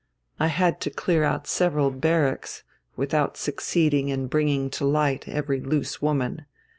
I had to clear out several barracks without succeeding in bringing to light every loose woman.